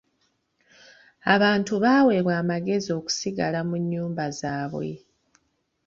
Abantu baweebwa amagezi okusigala mu nnyumba zaabwe.